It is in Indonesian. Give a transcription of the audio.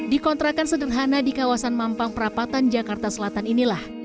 dikontrakan sederhana di kawasan mampang prapatan jakarta selatan ini lah